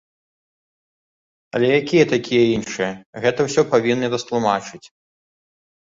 Але якія такія іншыя, гэта ўсё павінны растлумачыць.